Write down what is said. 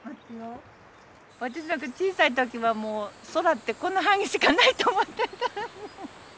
私なんか小さい時はもう空ってこの範囲しかないと思ってた。